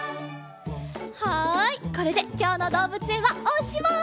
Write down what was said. はいこれできょうのどうぶつえんはおしまい。